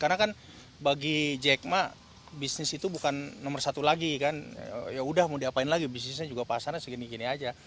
karena kan bagi jack ma bisnis itu bukan nomor satu lagi kan yaudah mau diapain lagi bisnisnya juga pasarnya segini gini aja